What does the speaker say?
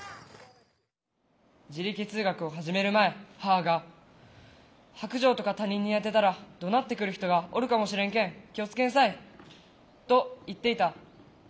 自力通学を始める前母が「白じょうとか他人に当てたらどなってくる人がおるかもしれんけん気を付けんさい」と言っていた。